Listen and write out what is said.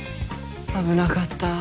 危なかった。